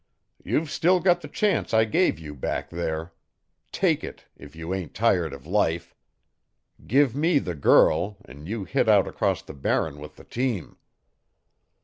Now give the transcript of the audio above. You've still got the chance I gave you back there. Take it if you ain't tired of life. Give me the girl an' you hit out across the Barren with the team."